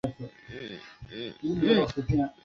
建构亚太金融中心